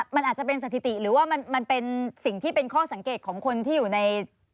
มันอาจจะเป็นสถิติหรือว่ามันเป็นสิ่งที่เป็นข้อสังเกตของคนที่อยู่ใน